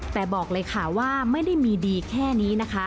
แต่บอกเลยค่ะว่าไม่ได้มีดีแค่นี้นะคะ